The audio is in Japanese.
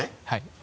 はい。